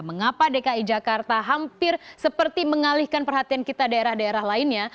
mengapa dki jakarta hampir seperti mengalihkan perhatian kita daerah daerah lainnya